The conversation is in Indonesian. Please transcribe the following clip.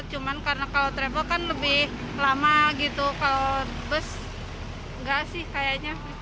cuma karena kalau travel kan lebih lama gitu kalau bus nggak sih kayaknya